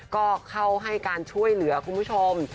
ก็เข้าให้การช่วยเหลือคุณผู้ชม